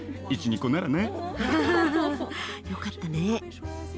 よかったね。